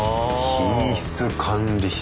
品質管理室。